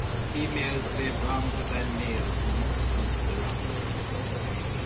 Females live longer than males in most countries around the world.